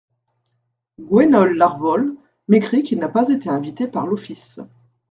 Gwenole Larvol m’écrit qu’il n’a pas été invité par l’Office.